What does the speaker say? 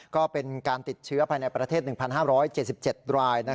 ก็เป็นการติดเชื้อภายในประเทศ๑๕๗๗ราย